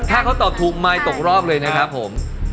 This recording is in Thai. ถ้าเขาตอบถูกไมค์ตกรอบเลยนะครับผม